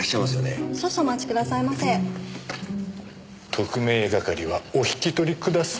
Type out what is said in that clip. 特命係はお引き取りください。